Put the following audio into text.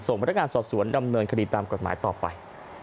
พนักงานสอบสวนดำเนินคดีตามกฎหมายต่อไป